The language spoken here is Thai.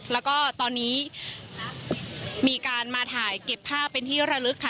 แล้วก็ตอนนี้มีการมาถ่ายเก็บภาพเป็นที่ระลึกค่ะ